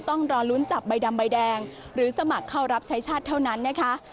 ต้องรอลุ้นจับใบดำใบแดงหรือสมัครเข้ารับใช้ชาติเท่านั้นนะคะ